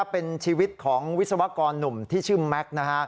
เป็นชีวิตของวิศวกรหนุ่มที่ชื่อแม็กซ์นะฮะ